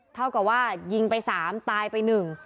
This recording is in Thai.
เท่ากับว่ายิงไปสามตายไปหนึ่ง